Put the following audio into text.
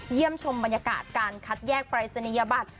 เยี่ยมชมบรรยากาศการคัดแยกปริศนียบัติ